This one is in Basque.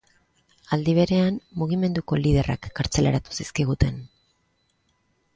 Aldi berean, mugimenduko liderrak kartzelaratu zizkiguten.